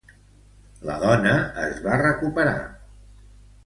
La dona es va recuperar.